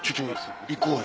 行こうや。